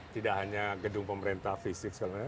tidak hanya gedung pemerintah fisik sebenarnya